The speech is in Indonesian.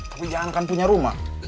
tapi jangankan punya rumah